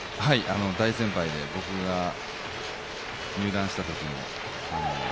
大先輩で、僕が入団したときに。